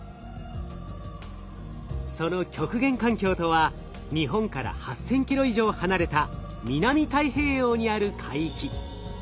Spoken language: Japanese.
その極限環境とは日本から８，０００キロ以上離れた南太平洋にある海域。